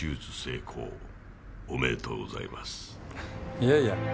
いやいや。